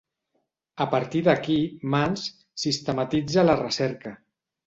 A partir d'aquí Mans sistematitza la recerca.